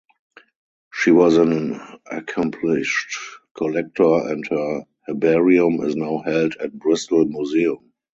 She was an accomplished collector and her herbarium is now held at Bristol Museum.